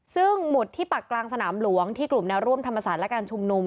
ซึ่งหมุดที่ปักกลางสนามหลวงที่กลุ่มแนวร่วมธรรมศาสตร์และการชุมนุม